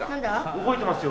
動いてますよ。